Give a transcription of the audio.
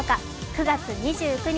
９月２９日